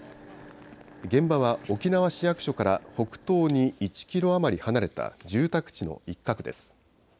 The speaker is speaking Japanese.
現場は沖縄市役所から北東に１キロ余り離れた住宅地の一角です。